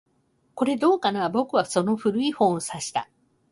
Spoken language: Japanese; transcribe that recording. これ、どうかな？僕はその古い本を指差した